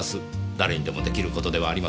誰にでも出来る事ではありません。